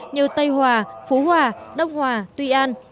như tây hòa phú hòa đông hòa tuy an